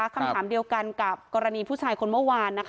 คำถามเดียวกันกับกรณีผู้ชายคนเมื่อวาน